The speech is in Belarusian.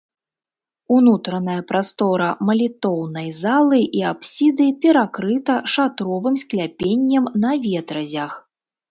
Унутраная прастора малітоўнай залы і апсіды перакрыта шатровым скляпеннем на ветразях.